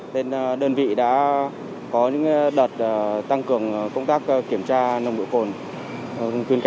nên đơn vị đã có những đợt tăng cường công tác kiểm tra nồng độ cồn